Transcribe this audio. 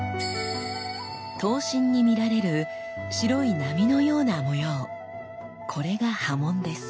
刀身に見られる白い波のような模様これが刃文です。